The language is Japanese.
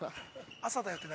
◆朝だよって何？